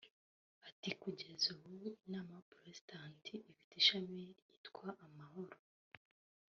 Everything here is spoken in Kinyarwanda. Ati “Kugeza ubu Inama y’Abaporotesitanti ifite ishami ryitwa Amahoro